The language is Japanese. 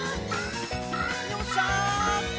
よっしゃ！